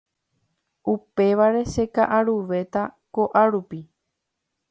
upévare cheka'aruvéta ko'árupi